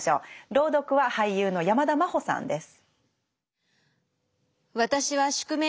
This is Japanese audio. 朗読は俳優の山田真歩さんです。